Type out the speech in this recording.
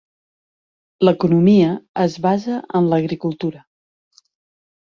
L'economia es basa en l'agricultura.